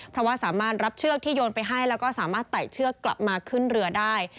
เพราะว่าสามารถรับเชือกที่โยนไปให้แล้วก็สามารถไต่เชือกกลับมาขึ้นเรือได้